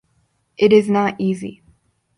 It is not easy.